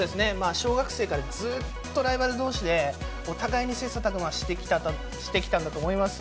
小学生からずっとライバルどうしで、お互いに切さたく磨してきたんだと思います。